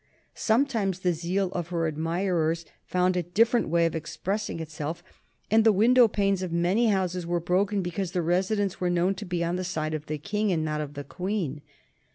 Sometimes the zeal of her admirers found a different way of expressing itself, and the window panes of many houses were broken because the residents were known to be on the side of the King and not of the Queen.